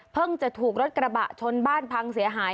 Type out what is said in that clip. จะถูกรถกระบะชนบ้านพังเสียหาย